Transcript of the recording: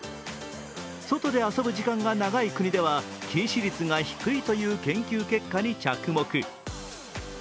外で遊ぶ時間が長い国では近視率が低いという研究結果に着目。